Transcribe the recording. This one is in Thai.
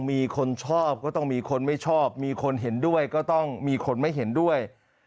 มีคนชอบก็ต้องมีคนไม่ชอบมีคนเห็นด้วยก็ต้องมีคนไม่เห็นด้วย